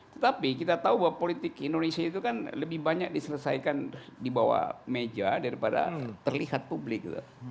tetapi kita tahu bahwa politik indonesia itu kan lebih banyak diselesaikan di bawah meja daripada terlihat publik